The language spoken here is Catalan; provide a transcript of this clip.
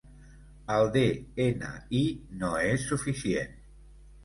El de-ena-i no és suficient.